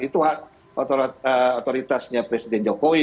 itu otoritasnya presiden jokowi